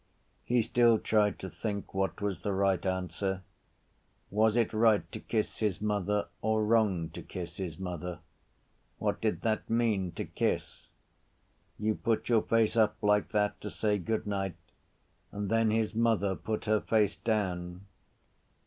He still tried to think what was the right answer. Was it right to kiss his mother or wrong to kiss his mother? What did that mean, to kiss? You put your face up like that to say goodnight and then his mother put her face down.